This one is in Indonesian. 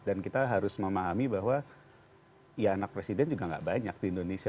dan kita harus memahami bahwa ya anak presiden juga enggak banyak di indonesia